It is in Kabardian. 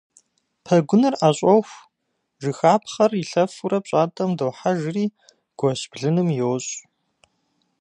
Пэгуныр ӏэщӏоху, жыхапхъэр илъэфурэ пщӏантӏэм дохьэжри гуэщ блыным йощӏ.